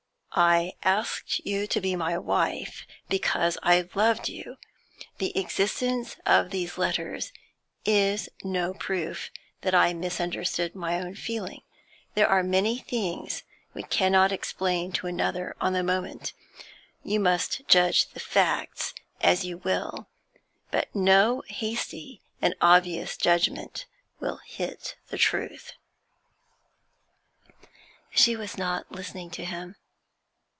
I asked you to be my wife because I loved you. The existence of these letters is no proof that I misunderstood my own feeling. There are many things we cannot explain to another on the moment. You must judge the facts as you will, but no hasty and obvious judgment will hit the truth.' She was not listening to him.